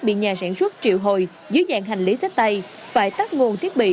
bị nhà sản xuất triệu hồi dưới dạng hành lý sách tay phải tắt nguồn thiết bị